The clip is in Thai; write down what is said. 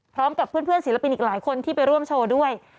พร้อมกับเพื่อนศิลปินอีกหลายคนที่ไปร่วมโชว์ด้วย